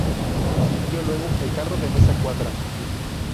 Siguió luego el carro de Meza Cuadra.